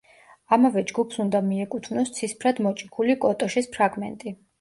ამავე ჯგუფს უნდა მიეკუთვნოს ცისფრად მოჭიქული კოტოშის ფრაგმენტი.